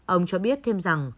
ông cho biết thêm rằng